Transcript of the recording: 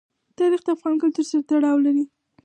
تاریخ د افغان کلتور سره تړاو لري.